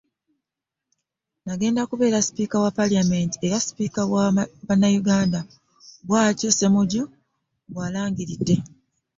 "Ngenda kubeera sipiika wa Paalamenti era sipiika wa bannayuganda.” Bw’atyo Ssemujju bw’alangiridde.